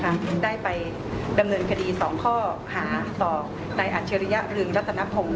ได้ไปดำเนินคดีสองข้อหาต่อนายอัจฉริยะเรืองรัตนพงศ์